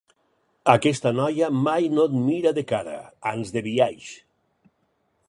Aquesta noia mai no et mira de cara, ans de biaix.